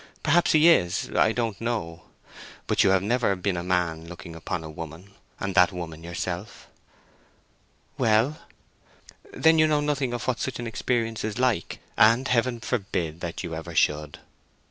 Perhaps he is—I don't know. But you have never been a man looking upon a woman, and that woman yourself." "Well." "Then you know nothing of what such an experience is like—and Heaven forbid that you ever should!"